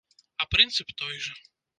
А прынцып той жа.